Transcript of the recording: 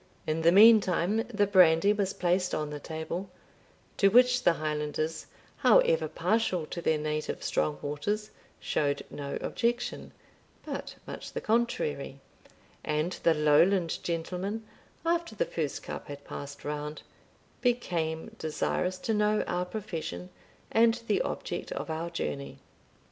In the meantime the brandy was placed on the table, to which the Highlanders, however partial to their native strong waters, showed no objection, but much the contrary; and the Lowland gentleman, after the first cup had passed round, became desirous to know our profession, and the object of our journey.